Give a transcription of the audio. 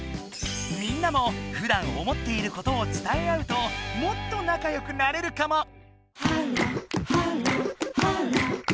みんなもふだん思っていることを伝えあうともっとなかよくなれるかも！